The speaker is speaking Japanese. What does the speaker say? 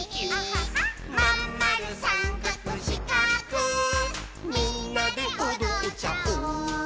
「まんまるさんかくしかくみんなでおどっちゃおう」